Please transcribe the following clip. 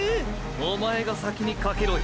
おまえが先にかけろよ。